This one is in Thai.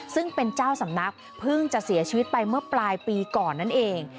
ซึ่งเป็นเจ้าสำนักเพิ่งจะเสียชีวิตไปเมื่อปลายปีก่อนนั่นเอง